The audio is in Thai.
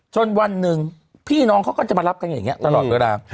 วันหนึ่งพี่น้องเขาก็จะมารับกันอย่างนี้ตลอดเวลา